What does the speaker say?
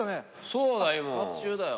そうだよ。